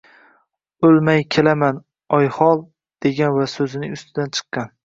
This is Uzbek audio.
“O’lmay kelaman, Oyxol” degan va so’zining ustidan chiqqan.